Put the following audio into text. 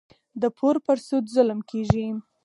د پور پر سود ظلم کېږي.